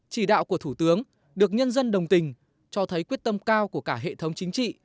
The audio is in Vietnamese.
chỉ đạo của thủ tướng được nhân dân đồng tình cho thấy quyết tâm cao của cả hệ thống chính trị